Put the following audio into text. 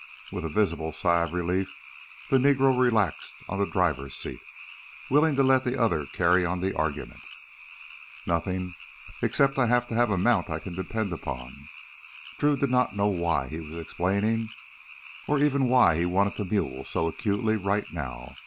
With a visible sigh of relief, the Negro relaxed on the driver's seat, willing to let the other carry on the argument. "Nothing, except I have to have a mount I can depend upon." Drew did not know why he was explaining, or even why he wanted the mule so acutely right now.